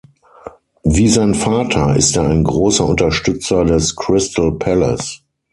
Wie sein Vater ist er ein großer Unterstützer des Crystal Palace.